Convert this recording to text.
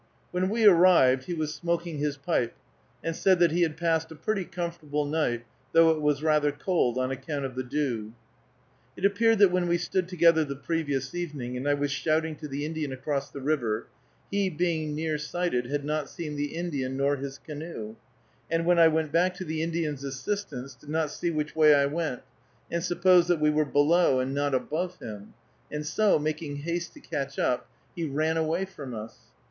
When we arrived, he was smoking his pipe, and said that he had passed a pretty comfortable night, though it was rather cold, on account of the dew. It appeared that when we stood together the previous evening, and I was shouting to the Indian across the river, he, being near sighted, had not seen the Indian nor his canoe, and when I went back to the Indian's assistance, did not see which way I went, and supposed that we were below and not above him, and so, making haste to catch up, he ran away from us.